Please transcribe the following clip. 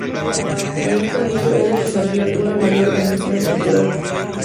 En este anillo es donde se advierte una mayor organización estructural.